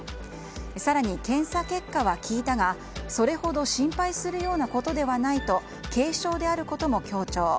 更に検査結果は聞いたがそれほど心配するようなことではないと軽症であることも強調。